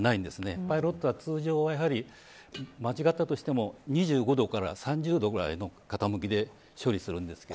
パイロットは、通常は間違ったとしても２５度から３０度ぐらいの傾きで処理するんですけど。